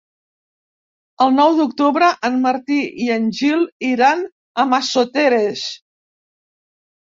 El nou d'octubre en Martí i en Gil iran a Massoteres.